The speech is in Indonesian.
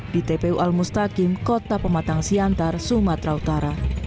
di tpu al mustakim kota pematang siantar sumatera utara